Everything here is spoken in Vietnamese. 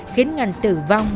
khiến ngân tử vong